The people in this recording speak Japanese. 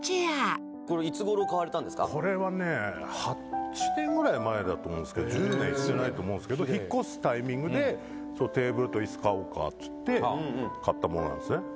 富澤：これはね８年ぐらい前だと思うんですけど１０年いってないと思うんですけど引っ越すタイミングでテーブルとイス買おうかっつって買ったものなんですね。